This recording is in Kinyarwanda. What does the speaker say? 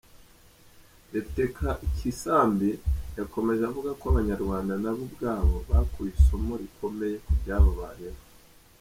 Depite Kisambi yakomeje avuga ko Abanyarwanda na bo ubwabo bakuye isomo rikomeye ku byababayeho.